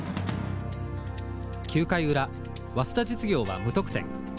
９回裏早稲田実業は無得点。